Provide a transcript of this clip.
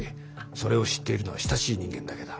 それを知っているのは親しい人間だけだ。